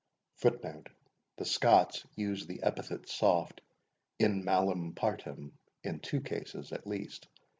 [The Scots use the epithet soft, IN MALAM PARTEM, in two cases, at least.